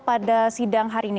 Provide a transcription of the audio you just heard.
pada sidang hari ini